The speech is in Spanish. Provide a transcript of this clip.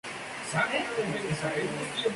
Es militante de Convergencia Social.